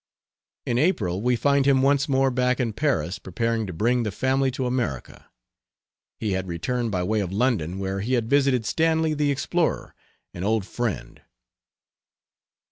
In April we find him once more back in Paris preparing to bring the family to America, He had returned by way of London, where he had visited Stanley the explorer an old friend.